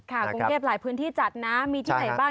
กรุงเทพหลายพื้นที่จัดนะมีที่ไหนบ้าง